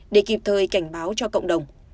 để kịp thời cảnh báo cho cộng đồng